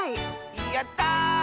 やった！